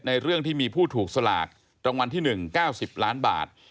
เรื่องที่มีผู้ถูกสลากรางวัลที่๑๙๐ล้านบาท